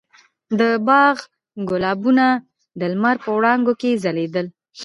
د باغ ګلابونه د لمر په وړانګو کې ځلېدل.